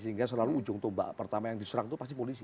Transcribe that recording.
sehingga selalu ujung tombak pertama yang diserang itu pasti polisi